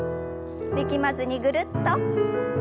力まずにぐるっと。